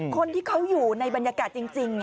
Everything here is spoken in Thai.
คนที่เขาอยู่ในบรรยากาศจริง